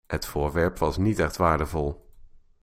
Het voorwerp was niet echt waardevol.